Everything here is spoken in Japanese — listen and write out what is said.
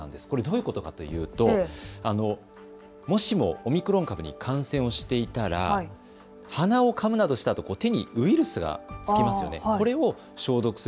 これどういうことかというともしもオミクロン株に感染していたら鼻をかむなどしたあと手にウイルスがつきますよね。